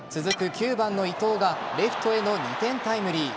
９番の伊藤が、レフトへの２点タイムリー。